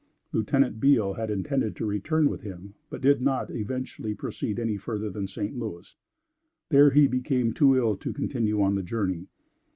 Lieutenant Beale had intended to return with him, but did not eventually proceed any further than St. Louis. There he became too ill to continue on the journey.